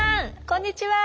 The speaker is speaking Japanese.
こんにちは。